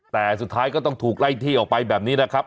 แต่สุดท้ายก็ต้องถูกไล่ที่ออกไปแบบนี้นะครับ